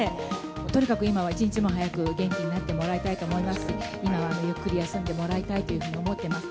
とにかく今は、一日も早く元気になってもらいたいと思います。